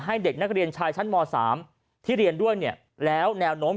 เด็กนักเรียนชายชั้นม๓ที่เรียนด้วยเนี่ยแล้วแนวโน้ม